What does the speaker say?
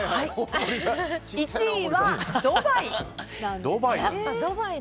１位は、ドバイ。